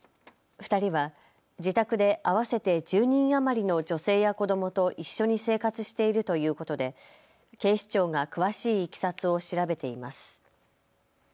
２人は自宅で合わせて１０人余りの女性や子どもと一緒に生活しているということで警視庁が詳しいいきさつを調べています。